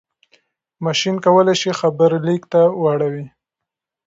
ماشين کولای شي خبرې ليک ته واړوي.